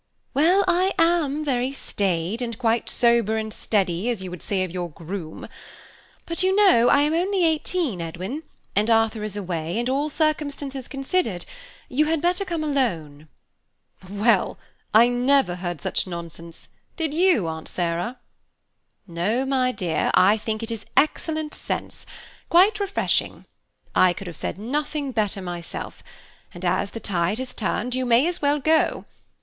"Well, I am very staid, and quite sober and steady, as you would say of your groom; but you know I am only eighteen, Edwin, and Arthur is away, and all circumstances considered, you had better come alone." "Well! I never heard such nonsense; did you, Aunt Sarah?" "No, my dear, I think it is excellent sense, quite refreshing. I could have said nothing better myself, and as the tide has turned, you may as well go.